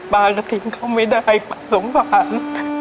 ป้าก็ทิ้งเขาไม่ได้สงสาร